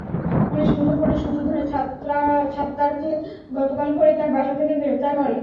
Police মুঠোফোনের সূত্র ধরে ছাত্তারকে গতকাল ভোরে তাঁর বাসা থেকে গ্রেপ্তার করে।